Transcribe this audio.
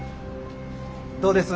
どうです？